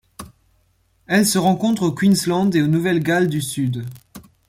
Elle se rencontre au Queensland et au Nouvelle-Galles du Sud.